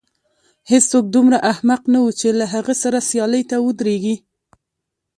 هېڅوک دومره احمق نه و چې له هغه سره سیالۍ ته ودرېږي.